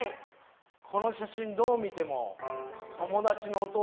この写真どう見ても。